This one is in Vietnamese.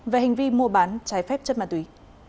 về hành vi mua bán trái phép chất ma túy